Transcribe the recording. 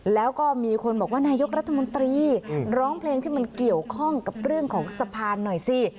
แล้วก็มีคนบอกว่านายกรัฐมนตรีร้องเพลงที่มันเกี่ยวข้องกับเรื่องของสะพานหน่อยสิ